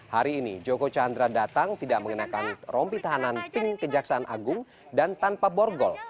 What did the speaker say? hari ini joko chandra datang tidak mengenakan rompi tahanan pink kejaksaan agung dan tanpa borgol